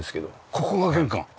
ここが玄関。